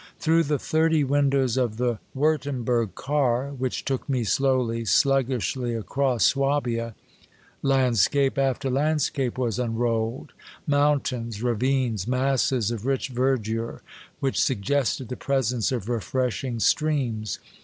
Through the thirty win dows of the Wiirtemberg car, which took me slowly, sluggishly across ^wabia, landscape after landscape was unrolled, mountains, ravines, masses of rich verdure, which suggested the presence of re freshing streams.